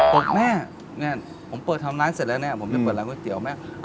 แม่เนี่ยผมเปิดทำร้านเสร็จแล้วเนี่ยผมจะเปิดร้านก๋วยเตี๋ยวแม่